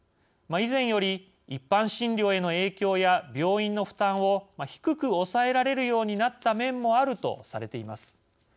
以前より一般診療への影響や病院の負担を低く抑えられるようになった面もあるとされています。